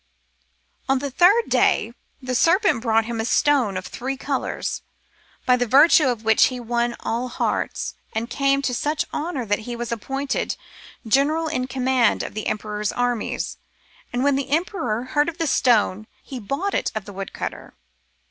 On the third day the serpent brought him a stone of three colours, by the virtue of which he won all hearts, and came to such honour that he was appointed general in command of the emperor's armies. But when the emperor heard of the stone he bought it of the woodcutter.